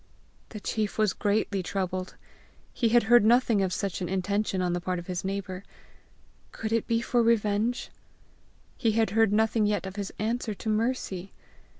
The chief was greatly troubled. He had heard nothing of such an intention on the part of his neighbour. Could it be for revenge? He had heard nothing yet of his answer to Mercy!